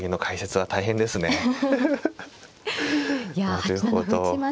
なるほど。